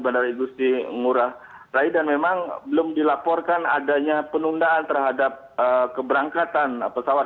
bandara igusti ngurah rai dan memang belum dilaporkan adanya penundaan terhadap keberangkatan pesawat